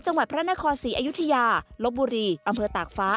จังหวัดพระนครศรีอยุธยาลบบุรีอำเภอตากฟ้า